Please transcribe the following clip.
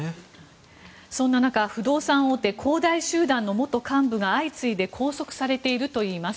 そんな中不動産大手、恒大集団の元幹部が相次いで拘束されているといいます。